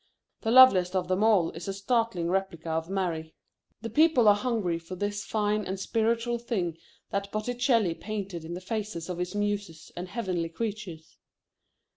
The loveliest of them all is a startling replica of Mary. The people are hungry for this fine and spiritual thing that Botticelli painted in the faces of his muses and heavenly creatures.